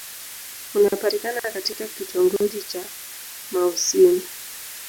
Unapatikana katika kitongoji cha Mouassine.